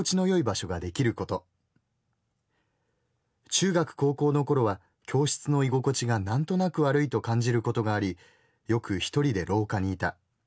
中学高校の頃は教室の居心地がなんとなく悪いと感じることがありよく一人で廊下にいた。